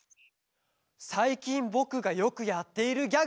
さいきんぼくがよくやっているギャグ